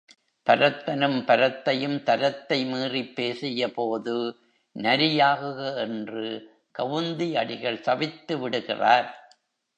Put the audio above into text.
பரத்தனும் பரத்தையும் தரத்தை மீறிப் பேசியபோது, நரியாகுக என்று கவுந்தி அடிகள் சபித்து விடுகிறார்.